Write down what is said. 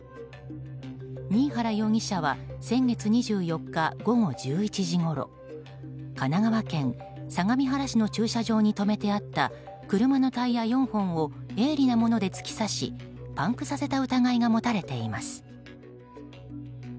新原容疑者は先月２４日午後１１時ごろ神奈川県相模原市の駐車場に止めてあった車のタイヤ４本を鋭利なもので突き刺しパンクさせた疑いが持たれています。